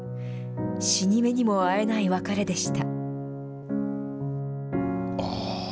死に目にもあえない別れでした。